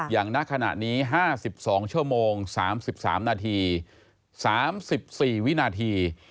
อย่างนักขณะนี้๕๒ชั่วโมง๓๓นาที๓๔วินาที